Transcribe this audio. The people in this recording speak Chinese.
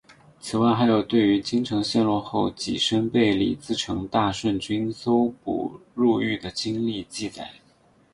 此外还有对于京城陷落后己身被李自成大顺军搜捕入狱的经历记载。